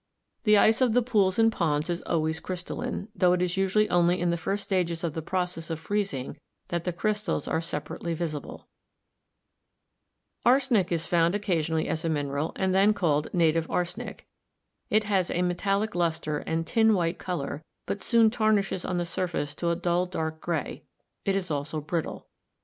The ice of the pools and DESCRIPTIVE MINERALOGY 263 ponds is always crystalline, tho it is usually only In the first stages of the process of freezing that the crystals are separately visible. Arsenic is found occasionally as a mineral and then called Native Arsenic. It has a metallic luster and tin white color, but soon tarnishes on the surface to a dull dark gray; it is also brittle.